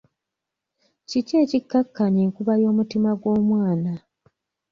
Kiki ekiikakkanya enkuba y'omutima gw'omwana?